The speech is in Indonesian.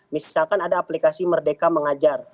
misalkan ada aplikasi merdeka mengajar